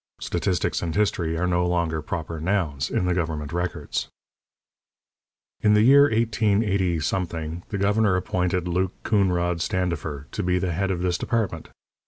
Statistics and history are no longer proper nouns in the government records. In the year 188 , the governor appointed Luke Coonrod Standifer to be the head of this department.